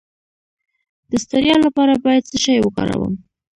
د ستړیا لپاره باید څه شی وکاروم؟